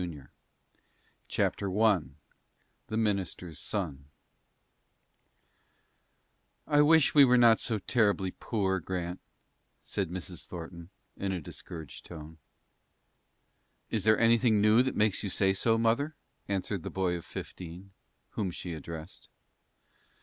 New York HELPING HIMSELF CHAPTER I THE MINISTER'S SON "I wish we were not so terribly poor, Grant," said Mrs. Thornton, in a discouraged tone. "Is there anything new that makes you say so, mother?" answered the boy of fifteen, whom she addressed.